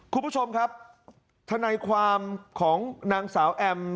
คุณผู้ชมครับทนายความของนางสาวแอม